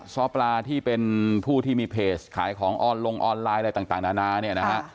ซ้อปลาที่เป็นผู้ที่มีเพจขายของออนลงออนไลน์อะไรต่างนานาเนี่ยนะฮะ